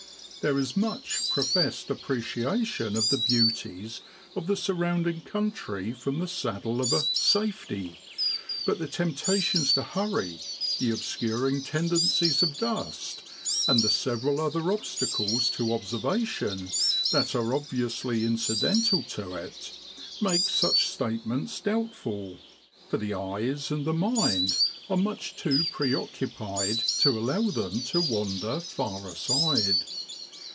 There is much professed appreciation of the beauties of the surrounding country from the saddle of a 'safety,' but the temptations to hurry, the obscuring tendencies of dust, and the several other obstacles to observation that are obviously incidental to it, make such statements doubtful, for the eyes and the mind are too much preoccupied to allow them to wander far aside.